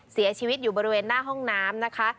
เสียชีวิตอยู่บริเวณหน้าห้องน้ำนะคะ